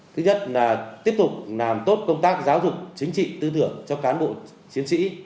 thứ nhất là tiếp tục làm tốt công tác giáo dục chính trị tư tưởng cho cán bộ chiến sĩ